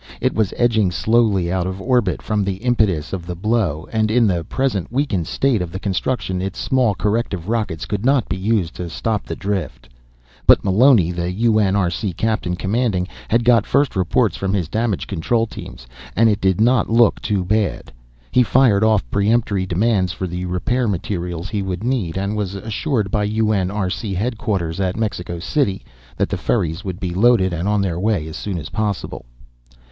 It was edging slowly out of orbit from the impetus of the blow, and in the present weakened state of the construction its small corrective rockets could not be used to stop the drift. But Meloni, the UNRC captain commanding, had got first reports from his damage control teams, and it did not look too bad. He fired off peremptory demands for the repair materials he would need, and was assured by UNRC headquarters at Mexico City that the ferries would be loaded and on their way as soon as possible.